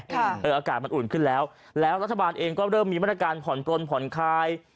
อากาศมันอุ่นขึ้นแล้วแล้วรัฐบาลเองก็เริ่มมีมาตรการผ่อนปลนผ่อนคลาย